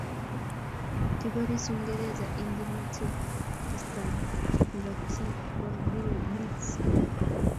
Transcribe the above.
Kiborisho Uingereza eng kimnotee kasata ne ki bo Blitz.